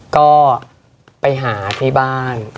ก็ไปหาที่บ้าน